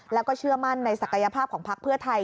แล้วก็เชื่อมั่นในศักยภาพของพักเพื่อไทย